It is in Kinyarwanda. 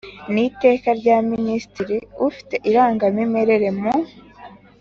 n Iteka rya Minisitiri ufite irangamimerere mu